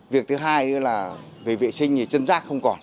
việc thứ hai nữa là về vệ sinh thì chân rác không còn